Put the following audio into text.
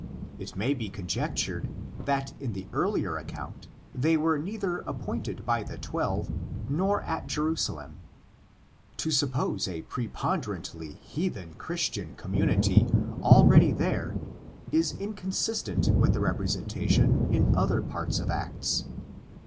It may be conjectured that in the earlier account they were neither appointed by the Twelve nor at Jerusalem. To suppose a preponderantly heathen Christian com munity already there is inconsistent with the repre sentation in other parts of Acts (cf.